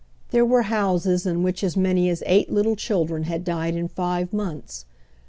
There were houses in which as many as eight little children had died in five months.